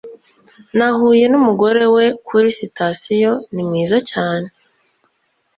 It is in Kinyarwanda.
nahuye numugore we kuri sitasiyo. ni mwiza cyane